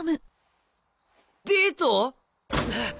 デート